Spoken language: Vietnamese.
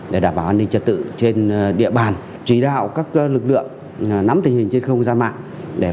để đảm bảo an ninh trật tự trên địa bàn chỉ đạo các lực lượng nắm tình hình trên không gian mạng